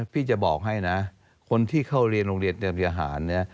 พี่จะบอกให้นะคนที่เข้าเรียนโรงเรียนเตรียมทหารเนี่ย